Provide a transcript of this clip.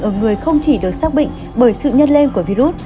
ở người không chỉ được xác bệnh bởi sự nhấn lên của virus